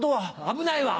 危ないわ！